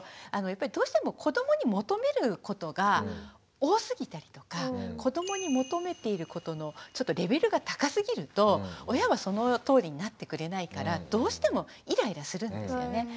やっぱりどうしても子どもに求めることが多すぎたりとか子どもに求めていることのレベルが高すぎると親はそのとおりになってくれないからどうしてもイライラするんですよね。